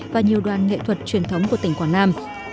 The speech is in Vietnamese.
và nhiều đoàn nghệ thuật truyền thống của tỉnh quảng nam